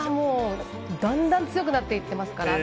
だんだん強くなっていますからね。